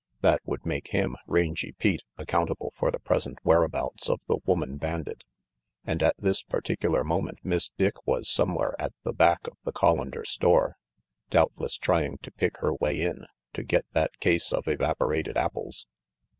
That would make him, Rangy Pete, accountable for the present whereabouts of the woman bandit. And at this particular moment Miss Dick was somewhere at the back of the Collander store, doubtless trying to pick her way in, to get that case of evaporated apples.